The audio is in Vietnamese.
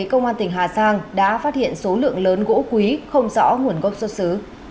công an tỉnh hà giang đã phát hiện số lượng lớn gỗ quý không rõ nguồn gốc xuất xứ